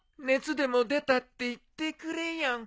熱でも出たって言ってくれよ。